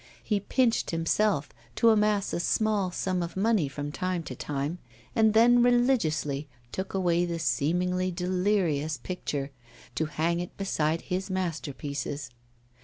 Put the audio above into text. He pinched himself to amass a small sum of money from time to time, and then religiously took away the seemingly delirious picture, to hang it beside his masterpieces.